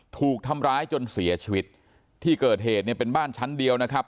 ถูกทำร้ายจนเสียชีวิตที่เกิดเหตุเนี่ยเป็นบ้านชั้นเดียวนะครับ